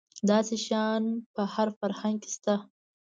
داسې شیان په هر فرهنګ کې شته.